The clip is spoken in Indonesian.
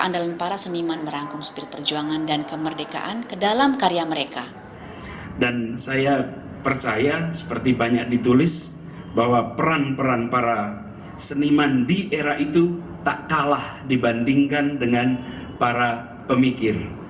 dan saya percaya seperti banyak ditulis bahwa peran peran para seniman di era itu tak kalah dibandingkan dengan para pemikir